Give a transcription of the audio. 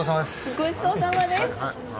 ごちそうさまです